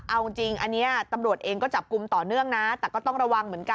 เอาจริงอันนี้ตำรวจเองก็จับกลุ่มต่อเนื่องนะแต่ก็ต้องระวังเหมือนกัน